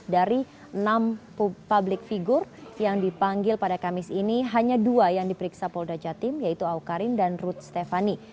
dari enam publik figure yang dipanggil pada kamis ini hanya dua yang diperiksa polda jatim yaitu awkarin dan ruth stefani